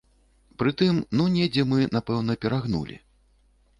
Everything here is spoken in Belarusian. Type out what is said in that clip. Прытым, ну недзе мы, напэўна, перагнулі.